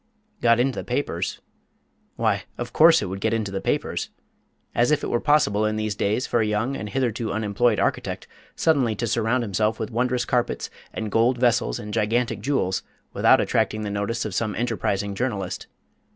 Got into the papers? Why, of course it would get into the papers. As if it were possible in these days for a young and hitherto unemployed architect suddenly to surround himself with wondrous carpets, and gold vessels, and gigantic jewels without attracting the notice of some enterprising journalist.